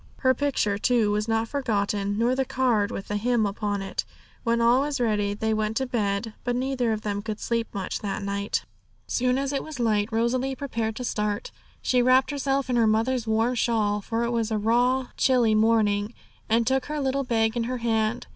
Her picture, too, was not forgotten, nor the card with the hymn upon it. When all was ready, they went to bed, but neither of them could sleep much that night. As soon as it was light, Rosalie prepared to start. She wrapped herself in her mother's warm shawl, for it was a raw, chilly morning, and took her little bag in her hand.